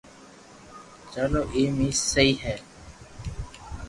چلو ايم اي سھي ھي